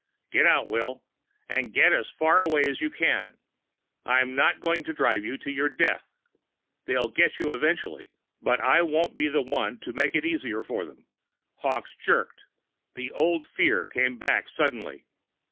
"Get out, Will and get as far away as you can. I'm not going to drive you to your death. They'll get you eventually, but I won't be the one to make it easier for them!" Hawkes jerked. The old fear came back suddenly.